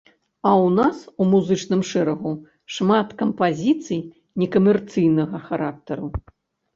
А ў нас у музычным шэрагу шмат кампазіцый некамерцыйнага характару.